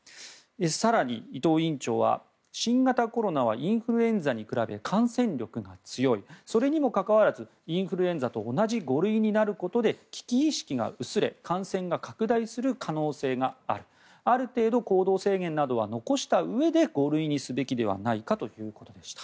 更に伊藤院長は、新型コロナはインフルエンザに比べ感染力が強いそれにもかかわらずインフルエンザと同じ５類になることで危機意識が薄れ感染が拡大する可能性があるある程度、行動制限などは残したうえで５類にすべきではないかということでした。